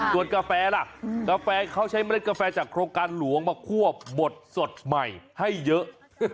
ส่วนกาแฟล่ะกาแฟเขาใช้เมล็ดกาแฟจากโครงการหลวงมาควบบดสดใหม่ให้เยอะ